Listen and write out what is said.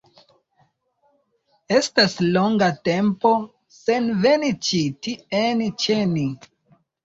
Estas longa tempo sen veni ĉi tien ĉe ni